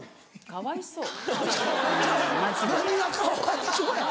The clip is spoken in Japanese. かわいそう。